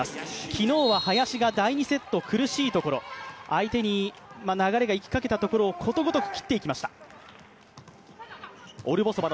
昨日は林が第２セット、苦しいところ相手に流れがいきかけたところを、ことごとく切っていきました。